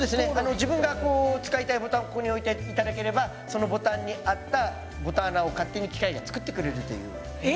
自分がこう使いたいボタンをここに置いて頂ければそのボタンに合ったボタン穴を勝手に機械が作ってくれるという。え！